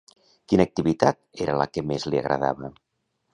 Quina activitat era la que més li agradava?